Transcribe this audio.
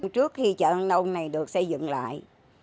trước khi chợ an đông này được xây dựng lại